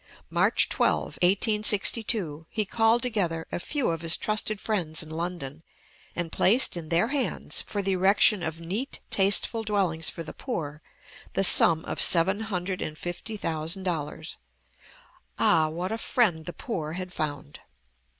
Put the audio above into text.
March 12, 1862, he called together a few of his trusted friends in London, and placed in their hands, for the erection of neat, tasteful dwellings for the poor, the sum of seven hundred and fifty thousand dollars. Ah, what a friend the poor had found!